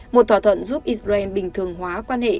một thỏa thuận giúp israel bình thường hóa quan hệ